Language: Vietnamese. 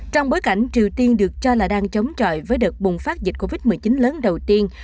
trong bối cảnh triều tiên được cho là đang chống chọi với đợt bùng phát dịch covid một mươi chín lớn đầu tiên